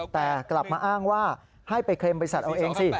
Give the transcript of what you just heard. แต่กลับมาอ้างว่าให้ไปเคลมบริษัทเอาเองสิ